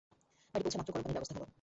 বাড়ি পৌঁছামাত্র গরম পানির ব্যবস্থা হল।